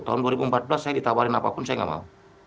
tahun dua ribu empat belas saya ditawarin apapun saya nggak mau